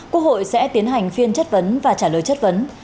quốc hội sẽ tiến hành phiên chất vấn và trả lời chất vấn